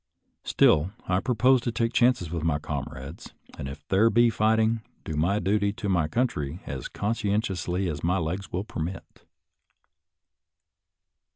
Still, I propose to take chances with my com rades, and, if there be fighting, do my duty to my country as conscientiously as my legs will per mit.